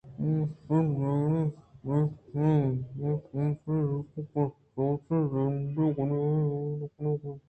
آوان اسل جیڑہ ءِجند نہ پہم اِت ءُماہم پہ جاک گوٛشت نہ کُت کہ چوشیں زنڈیں گناہے ما نہ کُتگاں